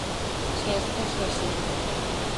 เชสไปเชลซี